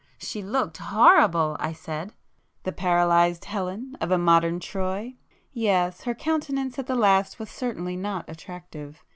"She looked horrible!" I said. "The paralysed Helen of a modern Troy? Yes,—her countenance at the last was certainly not attractive.